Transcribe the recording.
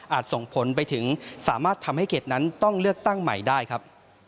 ส่งผลไปถึงสามารถทำให้เขตนั้นต้องเลือกตั้งใหม่ได้ครับ